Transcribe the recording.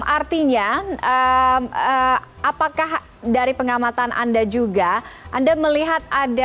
artinya apakah dari pengamatan anda juga anda melihat ada